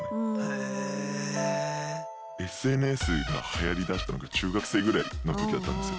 ＳＮＳがはやりだしたのが中学生ぐらいの時だったんですよ。